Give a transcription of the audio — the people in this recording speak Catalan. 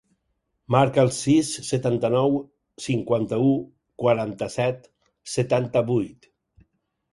Marca el sis, setanta-nou, cinquanta-u, quaranta-set, setanta-vuit.